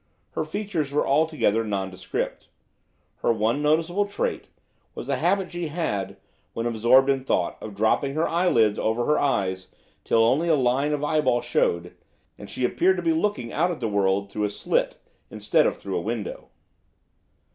Her features were altogether nondescript; her one noticeable trait was a habit she had, when absorbed in thought, of dropping her eyelids over her eyes till only a line of eyeball showed, and she appeared to be looking out at the world through a slit, instead of through a window.